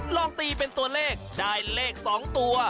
ลองตีเป็นตัวเลขได้เลข๒ตัว